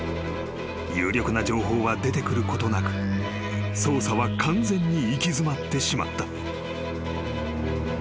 ［有力な情報は出てくることなく捜査は完全に行き詰まってしまった］